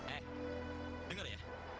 eh denger ya